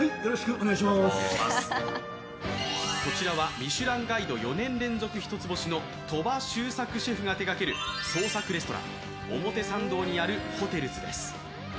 ミシュランガイド４年連続一つ星の鳥羽周作シェフが手がける創作レストラン、表参道にあるＨｏｔｅｌ’ｓです。